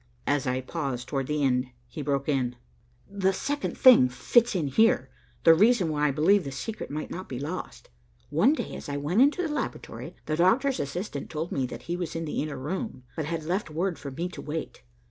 As I paused towards the end, he broke in. "The second thing fits in here, the reason why I believe the secret might not be lost. One day as I went into the laboratory, the Doctor's assistant told me that he was in the inner room, but had left word for me to wait.